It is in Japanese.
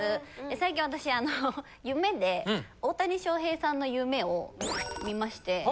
最近私夢で大谷翔平さんの夢を見まして。